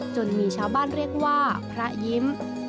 จนมีชาวบ้านเรียกว่าพระยิ้ม